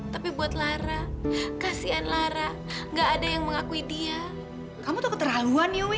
tapi buat lara kasihan lara enggak ada yang mengakui dia kamu tuh keterlaluan ya wi